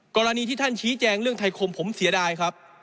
กรณีที่ท่านชี้แจงเรื่องไทยคมผมเสียดายครับ